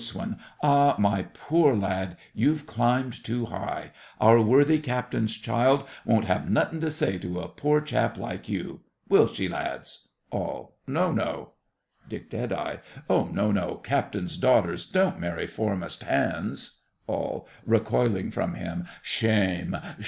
Ah, my poor lad, you've climbed too high: our worthy captain's child won't have nothin' to say to a poor chap like you. Will she, lads? ALL. No, no. DICK. No, no, captains' daughters don't marry foremast hands. ALL (recoiling from him). Shame!